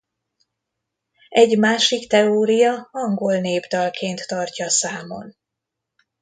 Egy másik teória angol népdalként tartja számon.